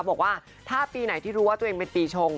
บอกว่าถ้าปีไหนที่รู้ว่าตัวเองเป็นปีชง